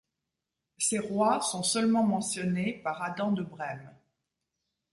Ces rois sont seulement mentionnés par Adam de Brême.